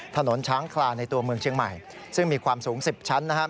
ถนนช้างคลานในตัวเมืองเชียงใหม่ซึ่งมีความสูง๑๐ชั้นนะครับ